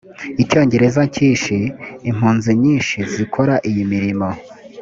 icyongereza cyinshi impunzi nyinshi zikora iyi mirimo